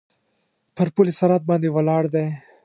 پر پل صراط باندې ولاړ دی.